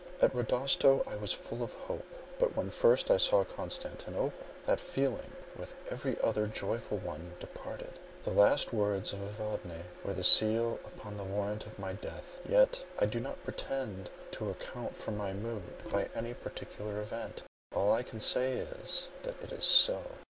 At Rodosto I was full of hope; but when first I saw Constantinople, that feeling, with every other joyful one, departed. The last words of Evadne were the seal upon the warrant of my death. Yet I do not pretend to account for my mood by any particular event. All I can say is, that it is so.